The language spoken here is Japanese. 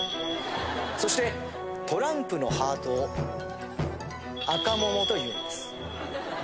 そしてトランプのハートをあかももと言うんです。